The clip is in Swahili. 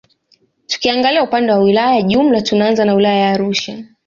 Tukiangalia upande wa wilaya jumla tunaanza na wilaya ya Arusha